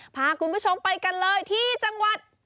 พาคุณผู้ชมไปกันเลยที่จังหวัด